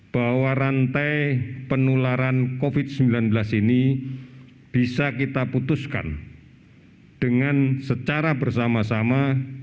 bahwa rantai penularan covid sembilan belas ini bisa kita putuskan dengan secara bersama sama